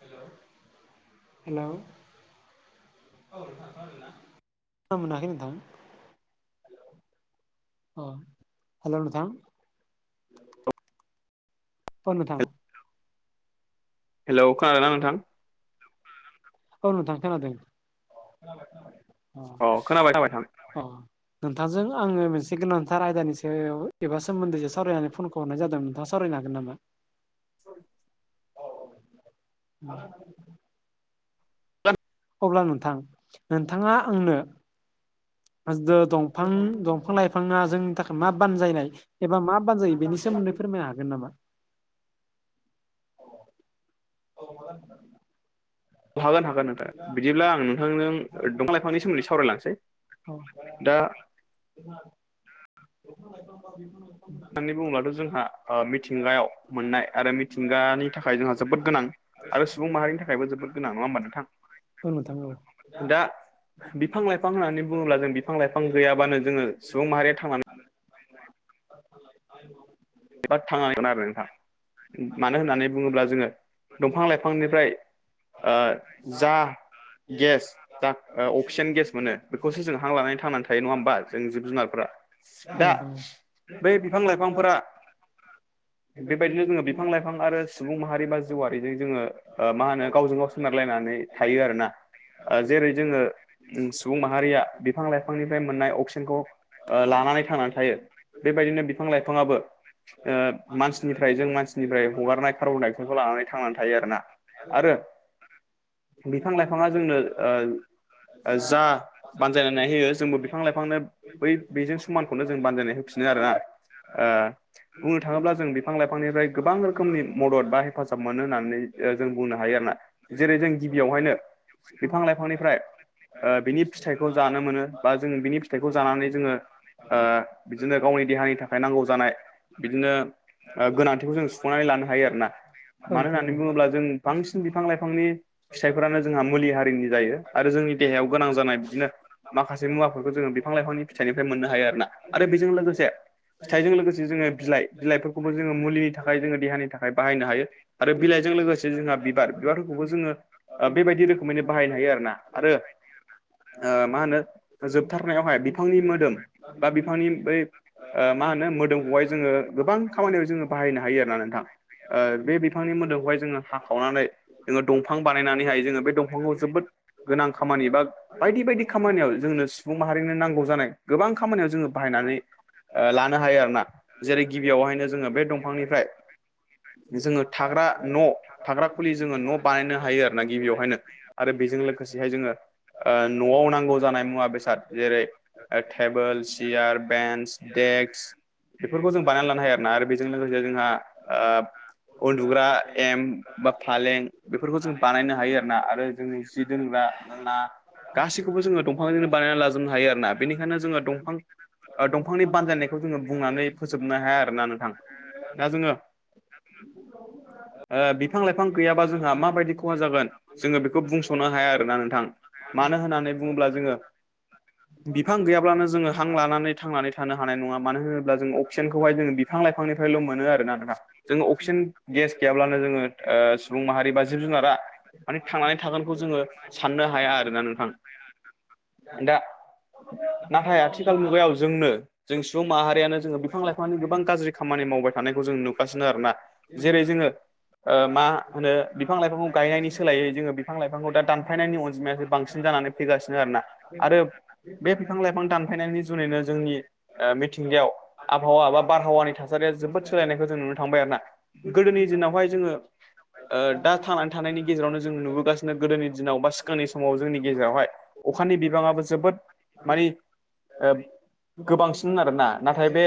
Hello [unintelligible] आ hello नोंथां औ नोंथां हेलौ खोनादोंना नोंथां औ नोंथां खोनादों खोनाबाय खोनाबाय नोंथां। अ नोंथांजों आंङो मोनसे गोनांथार आयदानिसायाव एबा सोमोन्दैसो सावरायनानै फन हरनाय जादों नोंथांङा सावरायनो हागोन नामा साव [unintelligible] [unintelligible] अब्ला नोंथां नोंथांङा आंनो फां दंफां लाइफांङा जोंनि थाखाय मा बानजायनाय एबा मा जायो बेनि सोमोनदै फोरमायनो हागोन नामा औ [unintelligible] हागोन हागोन बिदिब्ला आं नोंथांजों दंफां लाइफांनि सोमोन्दै सावरायलांसै दा जोंहा बिफां लाइफां बेफोर होननानै बुंङोब्लाथ' जोंहा मिथिंगायाव मोननाय आरो मिथिंगानि थाखाय जोंहा जोबोद गोनां आरो सुबुं माहारिनि थाखायबो जोबोर गोन नंङा होमबा नोंथां औ नोंथां औ दा बिफां लाइफां होनना होननानै बुंङोब्ला बुङोब्ला जों बिफां लाइफां जोङो गैयाबानो सुबुं माहारिया थांनानै आरो [inaudible] एबा थांनानैखौ नायबाय नोंथां मानो होननानै बुंङोब्ला जोंङो दंफां लाइफांनिफ्राय जा गेस जा अक्सिजेन गेस मोनो बेखौसो जों हां लानानै थांनानै थायो नंङा होमबा जों जिब जुनारफोरा्रा औ बै बिफां लाइफांफोरा बेबायदिनो जोंङो बिफां लाइफां आरो सुबुं माहारि बा जिउवआरिजों जोंङो मा होनो गावजों गाव सोनारलायनानै मे थायो आरो ना जेरै जोङो सुबुं माहारिया बिफां लाइफांनिफ्राय मोननाय अक्सिजेनखौ लानानै थांनानै थायो बेबायदिनो बिफां लाइफाङा आबो ओ मानसिनिफ्राय जों मानसिनिफ्राय हगार कार्बनडाइ अक्साइ खौ लानानै थांनानै थायो आरोना आरो बिफां लाइफांङा जोंनो जा बानजायनानै होयो जोंबो बिफां लाइफांनो बै बेजों समानखौनो जों बानजायनाय होफिनो आरोोना ओ बुंनो थांङोब्ला जों बिफां लाइफांनिफ्राय गोबां रोखोमनि मदद बा हेफाजाब मोनो होननानै जों बुंनो हायो जेरै जों गिबियावहायनो बिफां लाइफांनिफ्राय बिनि फिथाइखौ जानो मोनो बा जों बिनि फिथाइखौ जानानै जोंङो ओ बिदिनो गावनि देहानि थाखाय नांगौ जानाय बिदिनो गोनांथिखौ जों सुफुंनानै लानो हायो आरो ना औ मानो नोंथां औ होननानै बुङोब्ला जों बांसिन बिफां लाइफांनि फिथाइफोरानो जोंहा मुलि हारिनि जायो आरो जोंनि देहायाव गोनां जानाय बिदिनो माखासे मुवाफोरखौ जोंङो बिफां लाइफांनि फिथाइनिफ्राय मोननो हायो आरोना आरो बेजों लोगोसे फिथाइजों लोगोसे जोंङो बिलाइ बिलाइफोरखौबो जोङो मुलिनि थाखाय जोंङो देहानि थाखाय बाहायनो हायो आरो बिलाइजों लोगोसे जोंहा बिबार बिबारफोरखौबो जोंङो बेबायदि रोखोमैनो बाहायनो हायो आरो ना आरो मा होनो जोबथारनायावहाय बिफांनि मोदोम बा बिफांनि बै मा होनो मोदोमखौहाय जोङो गोबां खामानियाव जोंङो बाहायनो हायो आरो ना नोंथां बे बिफांनि मोदोमखौहाय जोंङो हाखावनानै जोंङो दंफां बानायनानैहाय जोंङो बे दंफांखौ जोबोद गोनां खामानि बा बायदि बायदि खामानियाव जोंनो सुबुं माहारिनो नांगौ जानाय गोबां खामानियाव जोंङो बाहायनानै ओ लानो हायो आरोोना जेरै गिबियावहायनो जोङो बे दंफांनिफ्राय जोंङो थाग्रा न' थाग्रा खुलि जोंङो न' बानायनो हायो आरो ना गिबियावहायनो आरो बेजों लोगोसेहाय जोंङो न'आव नांगौ जानाय मुवा बेसाद जेरै टेबोल चेयार बेन्च देक्स बेफोरखौ जों बानायनानै लानो हायो आरोना आरो बेजों लोगोसे जोंहा ओ उन्दुग्रा एम बा फालें बेफोरखौ जों बानायनो हायो आरो ना आरो जों जि दोनग्रा आलेना गासैखौबो जोंङो दंफांजोंनो बानायनानै लाजोबनो हायो आरोना बेनिखायनो जोंङो दंफां दंफांनि बानजायनायखौ जोङो बुंनानै फोसोबनो हाया आरोना नोंथां दा जोंङो ओ बिफां लाइफां गैयाबा जोंहा माबायदि खहा जागोन जोंङो बेखौ बुंस'नो हाया आरोना नोंथां मानो होननानै बुंङोब्ला जोंङो बिफां गैयाब्लानो जोङो हां लानानै थांनानै थानो हानाय नंङा मानो होनोब्ला जों अक्सिजेनखौहाय जोंङो बिफां लाइफांनिफ्रायल' मोनोना आरोना जोंङो अक्सिजेन गेस गैयाब्लानो जोंङो ओ सुबुं माहारि बा जिब जुनारा माने थांनानै थागोनखौ जोङो साननो हाया आरोना नोंथां दा नाथाय आथिखाल मुगायाव जोंनो जों सुबुं माहारियानो जों बिफां लाइफांनि गोबां गाज्रि खामानि मावबाय थानायखौ जों नुगासिनो आरोना जेरै जोङो ओ मा होनो बिफां लाइफांखौ गायनायनि सोलायै जोङो बिफां लाइफांखौ दा दानफायनायनि अनजिमायासो बांसिन जानानै फैगासिनो आरोना बे आरो [inaudible] बे बिफां लाइफां दानफायनायनि जुनैनो जोंनि ओ मिथिंगायाव आबहावा बा बारहावानि थासारिया जोबोद सोलायनायखौ जों नुनो थांबाय आरो ना गोदोनि दिनावहाय जोङो ओ दा थांनानै थानायनि गेजेरावनो जों नुबोगासिनो गोदोनि दिनाव बा सिगांनि समाव जोंनि गेजेरावहाय अखानि बिबाङाबो जोबोद मानि ओम गोबांसिनमोन आरोना नाथाय बे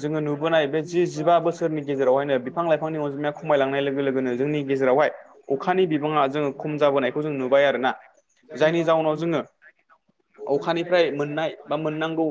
जोङो नुबोनाय बे जि जिबा बोसोरनि गेजेरावहायनो बिफां लाइफांनि अनजिमाया खमायलांनाय लोगो लोगोनो जोंनि गेजेरावहाय अखानि बिबाङा जोङो खम जाबोनायखौ जों नुबाय आरोना जायनि जाउनाव जोङो अखानिफ्राय मोननाय बा मोननांगौ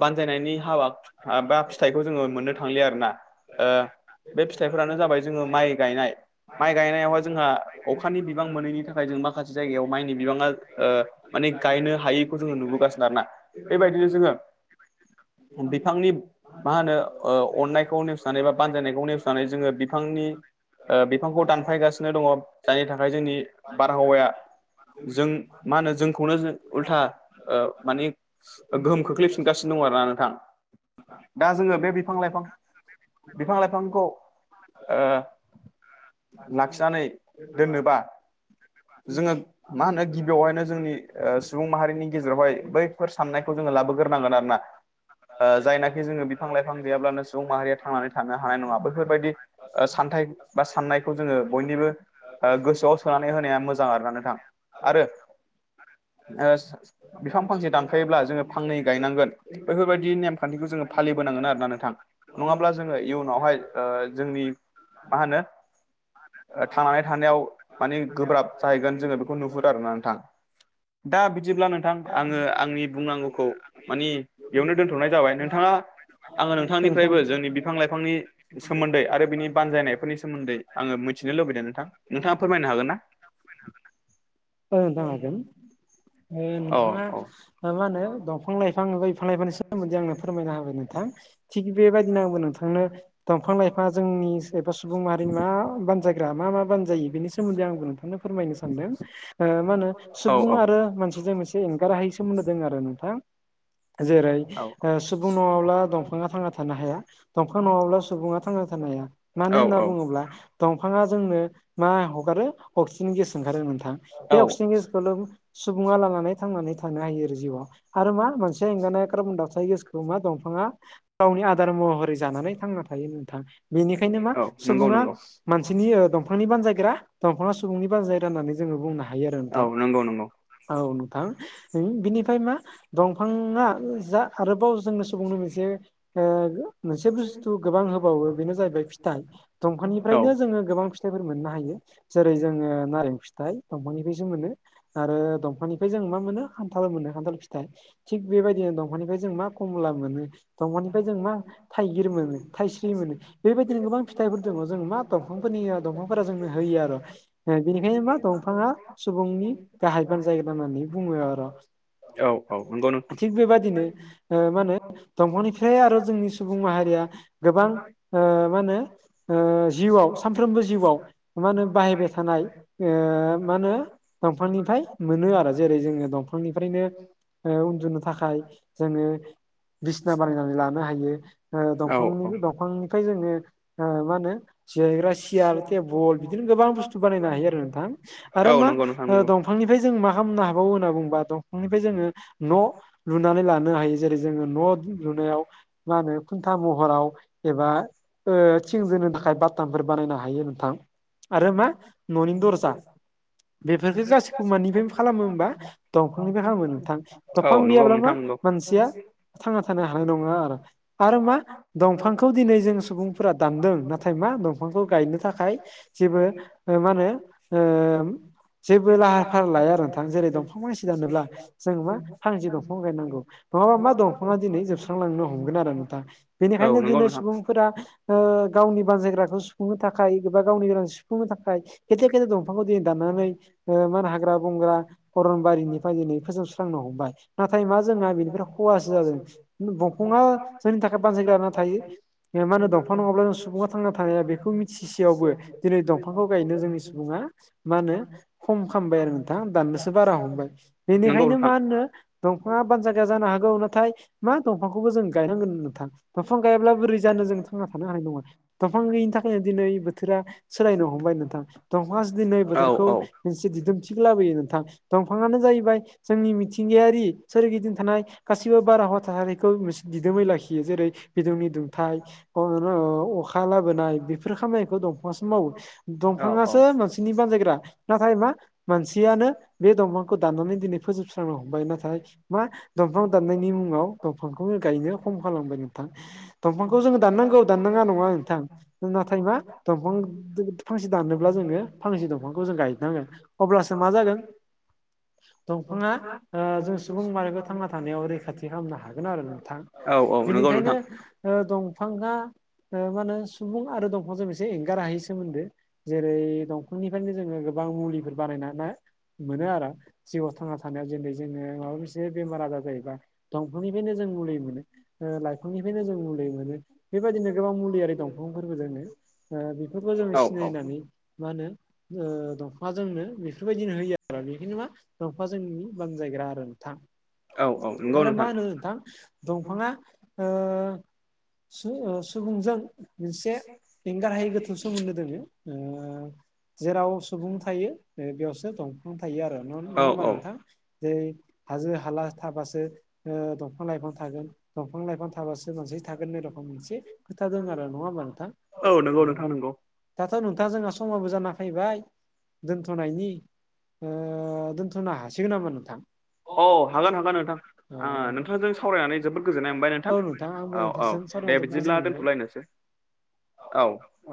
बानजायनायनि हाबा माबा फिथाइखौ जोंङो मोननो थांलिया आरो ना ओ दे होनबा बे फिथाइफोरानो जाबाय जोङो माइ गायनाय माइ गायनायावहा जोंहा अखानि बिबां मोनैनि थाखाय जों माखासे जायगायाव माइनि बिबाङा ओ माने गायनो हायिखौ जोङो नुबोगासिनो आरोना बेबायदिनो जोङो [inaudible] औ बिफांनि मा होनो ओ अननायखौ नेवसिनानै बा बानजायनायखौ नेवसिनानै जोङो बिफांनि ओ बिफांखौ दानफायगासिनो दङ' जायनि थाखाय जोंनि बारहावाया जों मा होनो जोंखौनो उल्था ओ मानि ओ गोहोम खोख्लैफिनगासिनो दं आरो ना नोंथां दा जोङो बे बिफां लाइफां बिफां लाइफांखौ ओ लाखिनानै दोननोबा जोङो मा होनो गिबियावहायनो जोंनि ओ सुबुं माहारिनि गेजेरावहाय बै फोर साननायखौ जोङो लाबोगोरनांगोन आरो ना ओ जायनाखि जोङो बिफां लाइफां गैयाब्लानो सुबुं माहारिया थांनानै थानो हानाय नङा बैफोर बायदि ओ सानथाइ बा साननायखौ जोङो बयनिबो ओ गोसोआव सोनानै होनाया मोजां आरोना नोंथां आरो ओ बिफां फांसे दानफायोब्ला जोङो फांनै गायनांगोन बैफोर बायदि नेमखान्थिखौ जोङो फालिबोनांगोन आरोना नोंथां नङाब्ला जोङो इयुनावहाय ओ जोंनि मा होनो थांनानै थानायाव माने गोब्राब जाहैगोन जोङो बेखौ नुहुरो आरो ना नोंथां दा बिदिब्ला नोंथां आङो आंनि बुंनांगौखौ मानि बेयावनो दोनथ'नाय जाबाय नोंथाङा आङो औ नोंथां नोंथांनिफ्रायबो जोंनि बिफां लाइफांनि सोमोन्दै आरो बिनि बानजायनायफोरनि सोमोन्दै आङो मिथिनो लुबैदों नोंथां नोंथाङा फोरमायनो हागोन ना [inaudible] नोंथां गय हागोन ओ न [inaudible] नोंथाङा ओ मा होनो दंफां लाइफां नुबाय बिफां लाइफांनि सोमोन्दै आंनो फोरमायना होबाय नोंथां। थिग बेबायदिनो आंबो नोंथांनो दंफां लाइफाङा जोंनि एबा सुबुं माहारिनि मा बानजाय ग्रा मा मा बानजायो बिनि सोमोनदै आंबो नोंथांनो फोरमायनो सानदों ओ मा होनो औ सुबुं औ आरो मानसिजों मोनसे एंगारहायि सोमोन्दो दं आरो नोंथां जेरै औ ओ सुबुं नङाब्ला दंफाङा थांना थानो हाया दंफां नङाब्ला सुबुङा थांना थानो हाया मानो औ होनना औ बुङोब्ला दंफाङा जोंनो मा हगारो अक्सिजेन गेस ओंखारो नोंथां बे औ अक्सिजेन गेसखोल' सुबुङा लानानै थांनानै थानो हायो आरो जिउआव आरो मा मोनसेया एंगानाया कार्बन डाइ अक्साइट गेस दमा दंफाङा गावनि आदार महरै जानानै थांना थायो नोंथां निखायनो मा औ नंगौ सुबुंङा नंगौ मानसिनि ओ दं दंफांनि बानजायग्रा दंफांङा सुबुंनि बानजायग्रा होननानै जोंङो बुंनो हायो आरो औ नोंथां नंगौ नंगौ औ नोंथां बिनिफ्राय मा दंफांङा जा आरोबाव जोंनो सुबुंनो मोनसे ओ मोनसे बुस्थु गोबां होबावो बेनो जाहैबाय फिथाइ औ दंफांनिफ्रायनो जोंङो गोबां फिथाइफोर मोननो हायो जेरै जोंङो नारें फिथाइ दंफांनिफायसो मोनो आरो दंफांनिफ्राय जों मा मोनो खान्थाल मोनो खान्थाल फिथाइ थिग बेबायदिनो दंफांनिफाय जों मा खमला मोनो दंफांनिफ्राय जों मा थाइगिर मोनो थाइस्रि मोनो बेबायदिनो गोबां फिथाइफोर दङ जों मा दंफांफोरनि दंफांफोरा जोंनो होयो आरो बेनिखायनो मा दंफांङा सुबुंनि गाहाय बान्जायग्रा होननानै बुंङो आरो औ औ नंगौ नोंथां। थिग बेबादिनो ओ मा दंफांनिफ्राय आरो जोंनि सुबुं माहारिया गोबां ओ मा होनो ओ जिउआव सानफ्रोमबो जिउआव मा होनो बाहायबाय थानाय ओ मा होनो दंफांनिफ्राय मोनो आरो जेरै जोंङो दंफांनिफ्रायनो उन्दुनो थाखाय जोंङो बिसना बानायनानै लानो हायो ओ औ दंफांनि औ दंफांनि ओमफ्राय जोंङो मा होनो जिरायग्रा सियार टेबल बिदिनो गोबां बुस्थु बानायनो हायो आरो नोंथां आरो औ मा नंगौ नोंथां ओ दं नंगौ दंफांनिफ्राय जों मा खालामनो हाबावो होनना बुंङोबा दंफांनिफ्राय जोङो न' लुनानै लानो हायो जेरै जोंङो न' लुनायाव मा होनो खुन्था महराव एबा ओ थिंदोनो थाखाय बाटामफोर बानायनो हायो नोंथां आरो मा न'नि दरजा बेफोरफोरखौ जाास निफ्राय खालामो होमबा दंफांनिफ्राय खालामो नोंथां औ दंफां नंगौ गैयाब्ला मा नोंथां नंगौ मानसिया थांना थानो हानाय नंङा आरो आरो मा दंफांखौ दिनै जों सुबुंफोरा दानदों नाथाय मा दंफांखौ गायनो थाखाय जेबो ओ मा होनो ओ जेबो लाहार भार लाया आरो नोंथां जेरै दंफां मानसि दानोब्ला [unintelligible] जों मा फांसे दंफां गायनांगौ नंङाबा मा दंफाङा दिनै जोबस्रांलांनो हमगोन आरो नोंथांङा औ बेनिखायनो नंगौ दिनै नोंथां सुबुंफोरा ओ गावनि बानजायग्राखौ सुफुंनो थाखाय एबा गावनि गोनां सुफुंनो थाखाय गेदेर गेदेर दंफांखौ दिनै दानानै ओ [unintelligible] हाग्रा बंग्रा अरनबारिनिफ्राय दिनै फोजोबस्रांनो हमबाय नाथाय मा जोंहा बेनिफ्राय खहासो जादों दंफांङा जोंनि थाखाय बान्जायग्रा थायो मा होनो दंफां नंङाब्ला सुबुङा थांना थानाया बेखौ मिथिसेयावबो दिनै दंफांखौ गायनो जोंनि सुबुंङा मा होनो खम खामबाय आरो थां दाननोसो बारा हमबाय नंगौ बेनिखायनो नोंथां मा होनो दंफांङा बान जायगा जानो हागौ नाथाय मा दंफांखौबो जों गायनांगोन नोंथां दंफां गायाब्ला बोरै जानो जों थांना थानो हानाय नंङा दंफां गैयिनि थाखायनो दिनै बोथोरा सोलायनो हमबाय नोंथां दंफाङासो दिनै औ बोथोरखौ औ मोनसे दिदोमथिखो लाबोयो नोंथां दंफांङानो जाहैबाय जोंनि मिथिंगायारि सोरगिदिं थानाय गासिबो बाराहावा थासारि खौ दिदोमै लाखियो जेरै बिदुंनि दुंथाय [unintelligible] अखा लाबोनाय बे फोर खामानिखौ दंफाङासो मावो औ औ दंफाङासो मानसिनि बानजायग्रा नाथाय मा मानसियानो बे दंफांखौ दाननानै दिनै फोजोबस्रांनो हमबाय नाथाय मा दंफां दाननायनि मुङाव दंफांखौनो गायनो खम खालामबाय नोंथां दंफांखौ जोङो दाननांगौ दाननाङा नङा नोंथां जों नाथाय मा दंफां बिदि फांसे दानोब्ला जोङो फांसे दंफांखौ जों गायनांगोन अब्लासो मा जागोन दंफाङा ओ जों सुबुं माहारिखौ थांना थानायाव रैखाथि खालामनो हागोन आरो नोंथां औ औ नंगौ बिनिखायनो नोंथां ओ दंफाङा ओ मा होनो सुबुं आरो दंफांजों मोनसे एंगार हायै सोमोन्दो जेरै दं फांनिफ्रायनो जोङो गोबां मुलिफोर ना मोनो आरो जिउआव थांना थानायाव जेरै जोङो माबा मोनसे बेमार आजार जायोबा दंफांनिफायनो जों मुलि मोनो ओ लाइफांनिफ्रायनो जों मुलि मोनो बेबायदिनो गोबां मुलियारि दंफांफोरबो जोङो ओ बेफोरखौ जोङो औ औ सिनायनानै मा होनो ओ दंफाङा जोंनो बेफोर बायदिनो होयो आ रो बेनिखायनो मा दंफाङा जोंनि बानजायग्रा आरो नोंथां औ औ नंगौ आरो मा होनो नोंथां दंफाङा सुबुंजों मोनसे एंगारहायै गोथौ सोमोन्दो दोंङो जेराव सुबुं थायो बेयावसो दंफां थायो आरो न नङा औ होमबा औ नोंथां जेरै हाजो हाला थाबासो दंफां लाइफां थागोन दंफां लाइफां थाबासो मानसि थागोन ए रखम मोनसे खोथा दं आरो नङा होमबा नोंथां ओ औ नंगौ नोंथां नंगौ दाथ' नोंथां जोंहा समाबो जाना फैबाय दोनथ'नायनि ओ दोनथ'नो हासिगोन नामा नोंथां अ हागोन हागोन नोंथां ओ आङो नोंथांजों सावरायनानै जोबोद गोजोननाय मोनबाय औ नोंथां आंबो औ औ नोंथांजों दे सावरायना जोबोद बिदिब्ला गोजोननाय मोनबाय दोनथ'लायनोसै औ औ